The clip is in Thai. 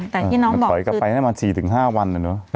แต่พี่น้องบอกคือถอยกลับไปน่ะมัน๔๕วันอ่ะเนอะ